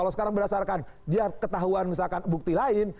kalau sekarang berdasarkan dia ketahuan misalkan bukti lain